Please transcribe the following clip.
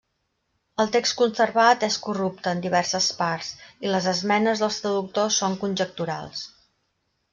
El text conservat és corrupte en diverses parts, i les esmenes dels traductors són conjecturals.